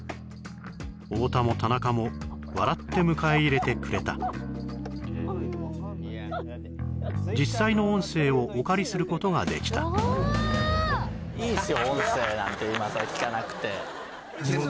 太田も田中も笑って迎え入れてくれた実際の音声をお借りすることができたお願いします